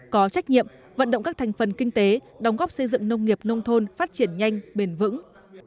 có trách nhiệm vận động các thành phần kinh tế đóng góp xây dựng nông nghiệp nông thôn phát triển nhanh bền vững